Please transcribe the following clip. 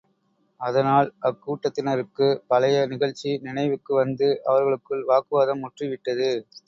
அதனால் அக்கூட்டத்தினருக்குப் பழைய நிகழ்ச்சி நினைவுக்கு வந்து, அவர்களுக்குள் வாக்குவாதம் முற்றி விட்டது.